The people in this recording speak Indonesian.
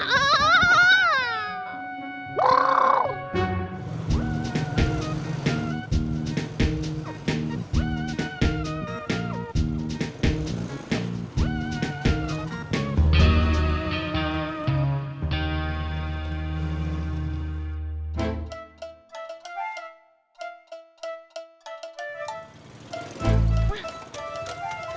untung bang ocak datang